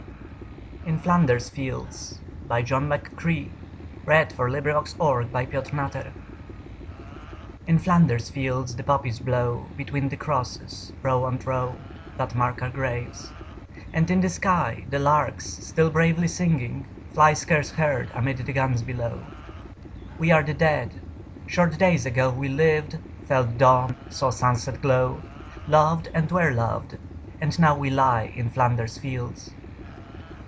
McCrae An Essay in Character by Sir Andrew Macphail In Flanders Fields In Flanders fields the poppies blow Between the crosses, row on row, That mark our place; and in the sky The larks, still bravely singing, fly Scarce heard amid the guns below. We are the Dead. Short days ago We lived, felt dawn, saw sunset glow, Loved and were loved, and now we lie, In Flanders fields.